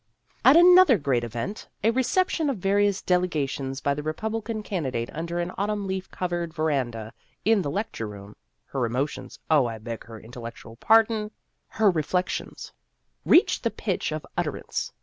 At another great event a reception of various delegations by the Republican candidate under an autumn leaf covered verandah in the lecture room her emo tions (oh, I beg her intellectual pardon ! her reflections) reached the pitch of utter ance.